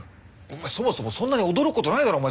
そもそもそんなに驚くことないだろお前。